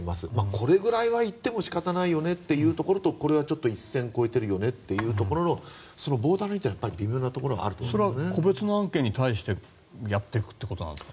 これぐらいは言っても仕方ないよねというところとこれはちょっと一線を越えているよねというところのそのボーダーラインは微妙なところがそれは個別の案件に関してやっていくということなんですか。